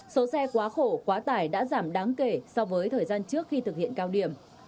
số xe quá khổ quá tải đã giảm đáng kể so với thời gian trước khi thực hiện cao điểm